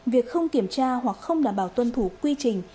việc không kiểm tra hoặc không đảm bảo tuân thủ quy trình